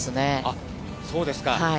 あっ、そうですか。